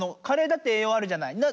カレーだって栄養あるじゃない。